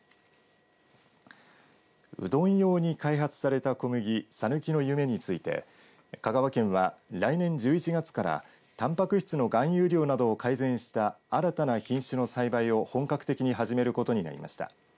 うどん用に開発された小麦、さぬきの夢について香川県は、来年１１月からたんぱく質の含有量などを改善した新たな品種の栽培を本格的に始めることになりました。